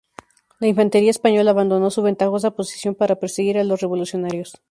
La infantería española abandonó su ventajosa posición para perseguir a los revolucionarios.